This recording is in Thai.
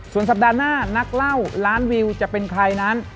ส่วนสัปดาห์หน้านักเล่าล้านวิวจะเป็นใครนั้น